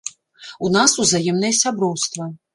У нас узаемнае сяброўства.